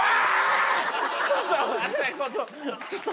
ちょっと。